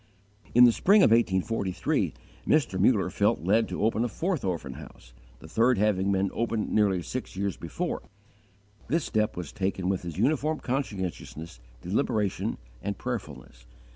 In the spring of 1843, Mr. Muller felt led to open a fourth orphan house, the third having been opened nearly six years before. This step was taken with his uniform conscientiousness, deliberation, and prayerfulness.